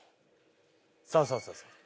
そうそうそうそう。